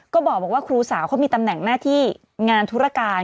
ก็บอกว่าครูสาวเขามีตำแหน่งหน้าที่งานธุรการ